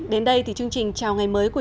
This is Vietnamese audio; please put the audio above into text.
đến đây thì chương trình chào ngày mới của